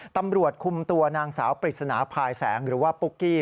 ตำรวจคุมตัวนางสาวปริศนาภายแสงหรือว่าปุ๊กกี้